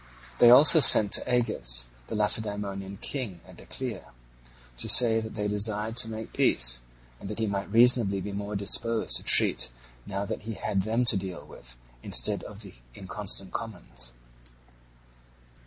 They also sent to Agis, the Lacedaemonian king, at Decelea, to say that they desired to make peace, and that he might reasonably be more disposed to treat now that he had them to deal with instead of the inconstant commons.